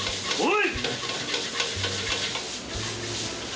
おい！